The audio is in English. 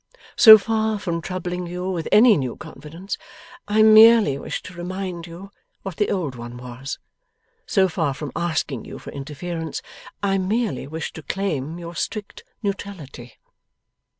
So far from troubling you with any new confidence, I merely wish to remind you what the old one was. So far from asking you for interference, I merely wish to claim your strict neutrality.